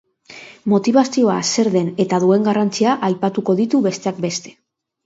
Motibazioa zer den eta duen garrantzia aipatuko ditu besteak beste.